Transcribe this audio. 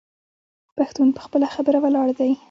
پښتون په خپله خبره ولاړ دی.